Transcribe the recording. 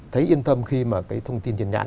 thấy yên tâm khi mà cái thông tin trên nhãn